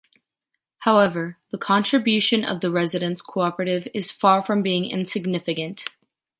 However, the contribution of the residents cooperative is far from being insignificant.